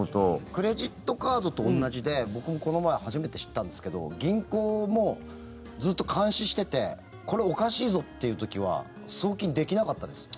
クレジットカードと同じで僕もこの前初めて知ったんですけど銀行もずっと監視しててこれ、おかしいぞという時は送金できなかったです。